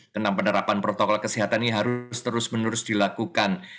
tentang penerapan protokol kesehatan ini harus terus menerus dilakukan